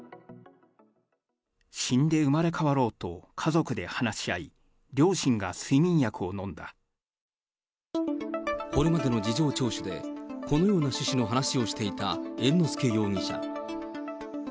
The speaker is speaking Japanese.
死んで生まれ変わろうと家族で話し合い、両親が睡眠薬を飲んこれまでの事情聴取で、このような趣旨の話をしていた猿之助容疑者。